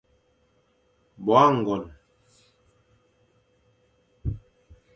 Bo âgon.